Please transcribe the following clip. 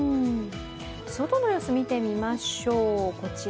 外の様子、見てみましょう。